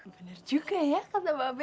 benar juga ya kata mbak abe